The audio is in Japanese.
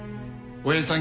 おやじさん